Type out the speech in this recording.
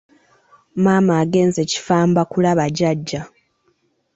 Maama agenze Kifamba kulaba jjajja.